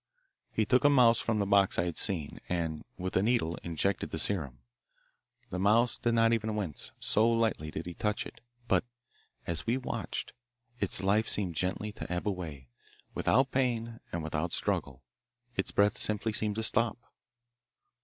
He took a mouse from the box I had seen, and with a needle injected the serum. The mouse did not even wince, so lightly did he touch it, but as we watched, its life seemed gently to ebb away, without pain and without struggle. Its breath simply seemed to stop.